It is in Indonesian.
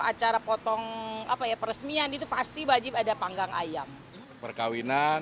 acara potong apa ya peresmian itu pasti wajib ada panggang ayam perkawinan